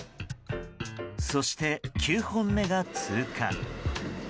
そして、９本目が通過。